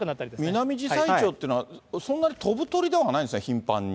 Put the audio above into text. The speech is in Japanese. ミナミジサイチョウっていうのは、そんなに飛ぶ鳥ではないんですね、頻繁に。